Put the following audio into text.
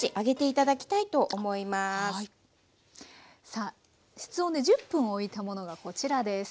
さあ室温で１０分おいたものがこちらです。